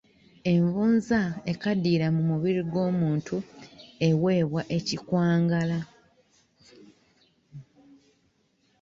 Envunza ekaddiyira mu mubiri gw’omuntu eweebwa ekikwangala.